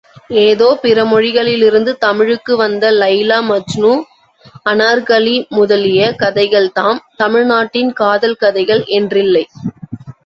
ஏதோ பிறமொழிகளிலிருந்து தமிழுக்கு வந்த லைலா மஜ்னூ, அனார்க்கலி முதலிய கதைகள்தாம் தமிழ்நாட்டின் காதல் கதைகள் என்றில்லை.